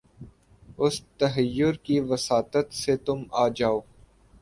اُس تحیّر کی وساطت سے تُم آؤ جاؤ